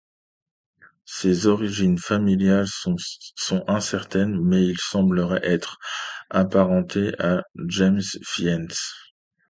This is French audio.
Ses origines familiales sont incertaines, mais il semblerait être apparenté à James Fiennes.